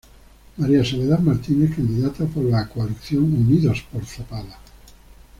María Soledad Martínez, candidata por la coalición Unidos x Zapala.